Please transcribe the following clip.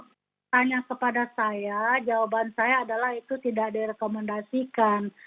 tanya kepada saya jawaban saya adalah itu tidak direkomendasikan